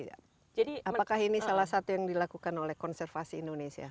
apakah ini salah satu yang dilakukan oleh konservasi indonesia